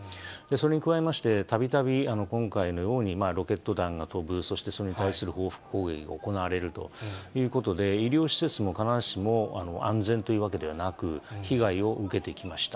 それに加えまして、たびたび今回のように、ロケット弾が飛ぶ、そしてそれに対する報復攻撃が行われるということで、医療施設も必ずしも安全というわけではなく、被害を受けてきました。